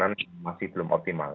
yang masih belum optimal